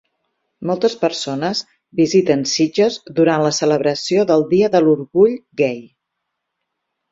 Moltes persones visiten Sitges durant la celebració del Dia de l'Orgull Gai.